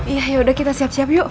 iya yaudah kita siap siap yuk